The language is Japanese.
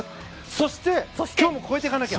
そして今日も超えていかなきゃ。